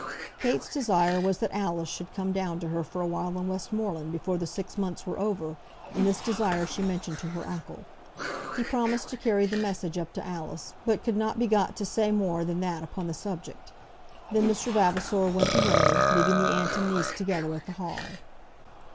Kate's desire was that Alice should come down to her for a while in Westmoreland, before the six months were over, and this desire she mentioned to her uncle. He promised to carry the message up to Alice, but could not be got to say more than that upon the subject. Then Mr. Vavasor went away, leaving the aunt and niece together at the Hall.